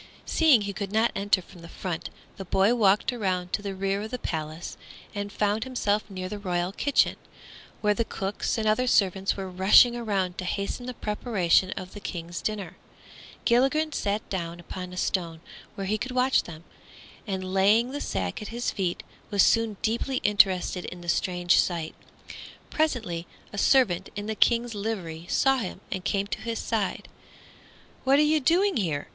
Seeing he could not enter from the front, the boy walked around to the rear of the palace and found himself near the royal kitchen, where the cooks and other servants were rushing around to hasten the preparation of the King's dinner. Gilligren sat down upon a stone where he could watch them, and laying the sack at his feet was soon deeply interested in the strange sight. Presently a servant in the King's livery saw him and came to his side. "What are you doing here?"